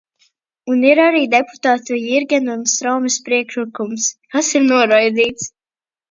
Un ir arī deputātu Jirgena un Straumes priekšlikums, kas ir noraidīts.